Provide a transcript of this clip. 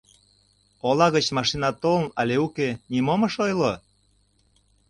— Ола гыч машина толын але уке, нимом ыш ойло?